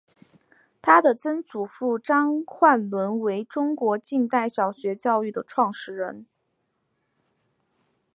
她的曾祖父张焕纶为中国近代小学教育的创始人。